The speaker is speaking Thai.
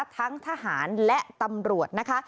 ทั้งทหารและตำรวจนะคะ